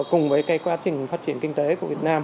cùng với quá trình phát triển kinh tế của việt nam